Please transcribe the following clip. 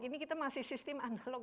ini kita masih sistem analog